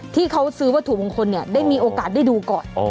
ที่เขาซื้อวัตถุมงคลได้มีโอกาสได้ดูก่อน